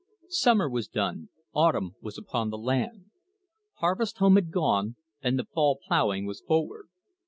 Summer was done, autumn was upon the land. Harvest home had gone, and the "fall" ploughing was forward.